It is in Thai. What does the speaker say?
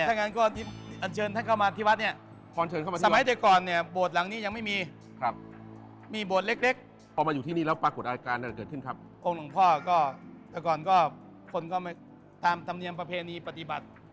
แบบนี้คนสมเนียมอย่างประเพณีปฏิบัติ